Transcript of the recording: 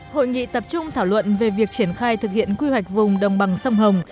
hội nghị tập trung thảo luận về việc triển khai thực hiện quy hoạch vùng đồng bằng sông hồng